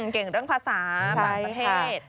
เก่งเรื่องภาษาต่างประเทศ